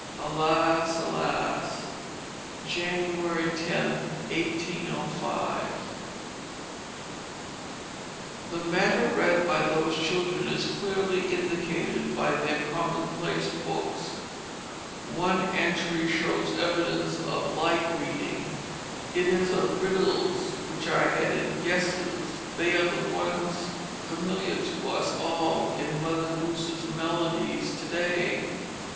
Alas! alas! January 10th, 1805." [Illustration: Page from Diary of Anna Green Winslow] The matter read by those children is clearly indicated by their commonplace books. One entry shows evidence of light reading. It is of riddles which are headed "Guesses"; they are the ones familiar to us all in Mother Goose's Melodies to day.